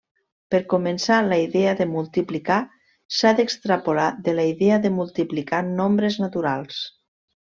Per començar la idea de multiplicar s'ha d'extrapolar de la idea de multiplicar nombres naturals.